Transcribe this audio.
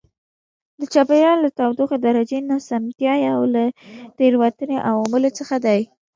د چاپېریال د تودوخې درجې ناسمتیا یو له تېروتنې عواملو څخه دی.